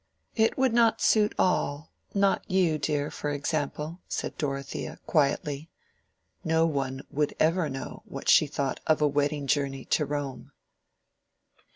"It would not suit all—not you, dear, for example," said Dorothea, quietly. No one would ever know what she thought of a wedding journey to Rome.